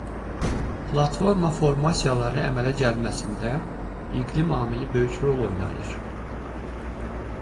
Platforma formasiyaları əmələ gəlməsində iqlim amili böyük rol oynayır.